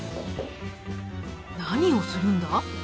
何をするんだ？